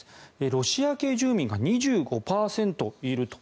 ロシア系住民が２５％いると。